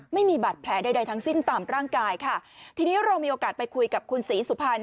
ไม่มีบาดแผลใดทั้งสิ้นตามร่างกายค่ะทีนี้เรามีโอกาสไปคุยกับคุณศรีสุพรรณ